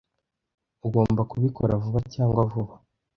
Ugomba kubikora vuba cyangwa vuba.